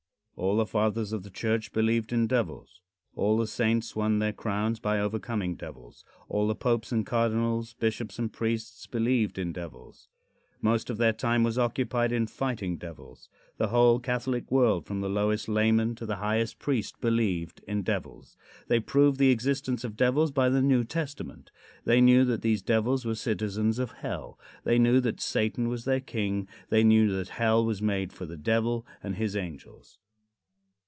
All the fathers of the church believed in devils. All the saints won their crowns by overcoming devils. All the popes and cardinals, bishops and priests, believed in devils. Most of their time was occupied in fighting devils. The whole Catholic world, from the lowest layman to the highest priest, believed in devils. They proved the existence of devils by the New Testament. They knew that these devils were citizens of hell. They knew that Satan was their king. They knew that hell was made for the Devil and his angels.